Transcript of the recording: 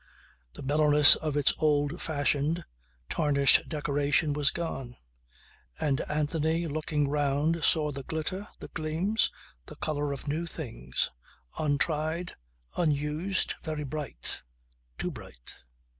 The mellowness of its old fashioned, tarnished decoration was gone. And Anthony looking round saw the glitter, the gleams, the colour of new things, untried, unused, very bright too bright.